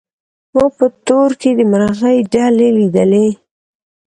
ما په تور کي د مرغۍ ډلي لیدلې